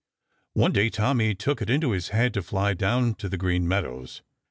One day Tommy took it into his head to fly down to the Green Meadows.